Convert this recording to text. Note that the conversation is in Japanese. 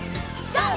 ＧＯ！